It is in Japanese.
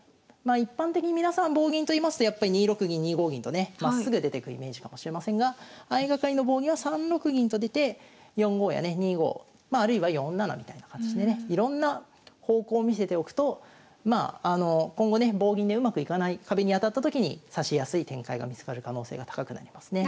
一般的に皆さん棒銀といいますとやっぱり２六銀２五銀とねまっすぐ出てくイメージかもしれませんが相掛かりの棒銀は３六銀と出て４五やね２五まああるいは４七みたいな形でねいろんな方向を見せておくと今後ね棒銀でうまくいかない壁に当たった時に指しやすい展開が見つかる可能性が高くなりますね。